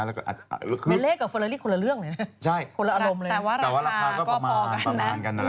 เบนเล่ดกับเฟอร์เรลลี่คุณละเรื่องเลยนะคุณละอารมณ์เลยแต่ว่าราคาก็ประมาณกันนะ